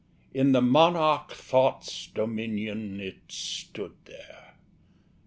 In the monarch Thought's dominion It stood there!